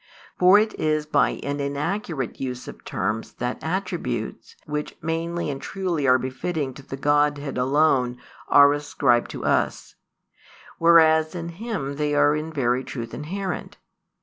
For it is by an inaccurate use of terms that attributes, which mainly and truly are befitting to the Godhead alone, are ascribed to us; whereas in Him they are in very truth inherent.